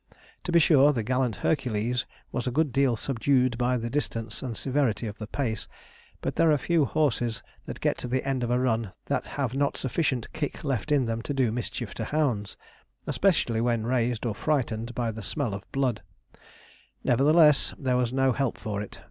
To be sure, the gallant Hercules was a good deal subdued by the distance and severity of the pace, but there are few horses that get to the end of a run that have not sufficient kick left in them to do mischief to hounds, especially when raised or frightened by the smell of blood; nevertheless, there was no help for it.